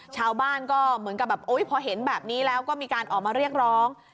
ชาวบ้านก็เหมือนกับแบบพอเห็นแบบนี้แล้วก็มีการออกมาเรียกร้อง